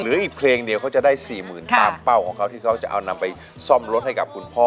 เหลืออีกเพลงเดียวเขาจะได้๔๐๐๐ตามเป้าของเขาที่เขาจะเอานำไปซ่อมรถให้กับคุณพ่อ